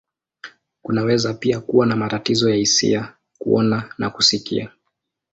Kunaweza pia kuwa na matatizo ya hisia, kuona, na kusikia.